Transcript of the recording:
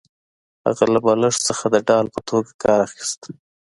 هغه له بالښت څخه د ډال په توګه کار اخیست